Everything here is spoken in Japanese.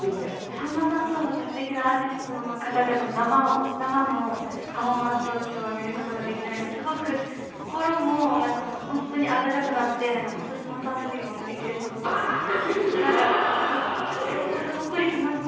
さんまさんとまたすてきなアーティストの方々の生のパフォーマンスを今日は見ることができて何かすごく心も何かもうホントにあったかくなって今年の寒い冬も乗り切れそうだなと思って何かすごくほっこりしました。